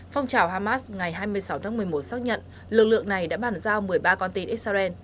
phong trào hamas ngày hai mươi sáu tháng một mươi một xác nhận lực lượng này đã bàn giao một mươi ba con tin israel